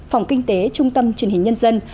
phòng kinh tế trung tâm truyền hình nhân dân